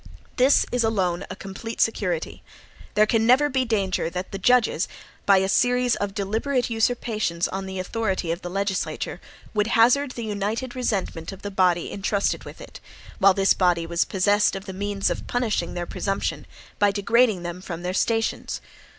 This is alone a complete security. There never can be danger that the judges, by a series of deliberate usurpations on the authority of the legislature, would hazard the united resentment of the body intrusted with it, while this body was possessed of the means of punishing their presumption, by degrading them from their stations.